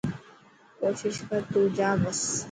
ڪوشش ڪر تو جا بس.